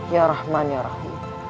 ya rahman ya rahim